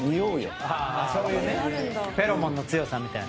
武井：そういうねフェロモンの強さみたいな。